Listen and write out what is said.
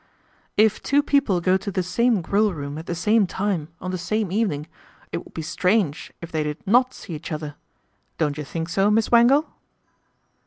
" If two people go to the same Grill room at the same time on the same evening, it would be strange if they did not see each other. Don't you think so Miss Wangle